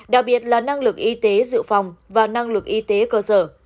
đặc biệt là năng lực y tế dự phòng và năng lực y tế cơ sở